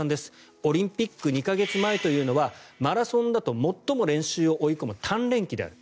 オリンピック２か月前というのはマラソンだと最も練習を追い込む鍛錬期であると。